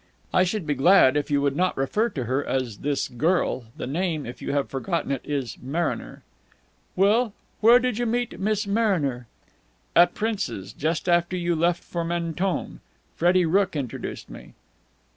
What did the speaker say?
"I should be glad if you would not refer to her as 'this girl.' The name, if you have forgotten it, is Mariner." "Well, where did you meet Miss Mariner?" "At Prince's. Just after you left for Mentone. Freddie Rooke introduced me."